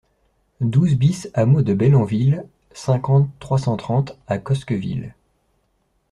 douze BIS hameau de Bellanville, cinquante, trois cent trente à Cosqueville